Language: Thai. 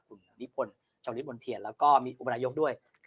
ส่วนดิบลชาวฤทธิ์บนเทียดแล้วก็มีอุบราโยคด้วยครับ